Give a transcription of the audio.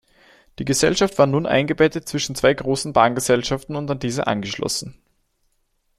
Die Gesellschaft war nun eingebettet zwischen zwei grossen Bahngesellschaften und an diese angeschlossen.